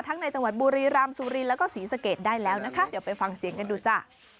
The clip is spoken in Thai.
ในจังหวัดบุรีรำสุรินแล้วก็ศรีสะเกดได้แล้วนะคะเดี๋ยวไปฟังเสียงกันดูจ้ะ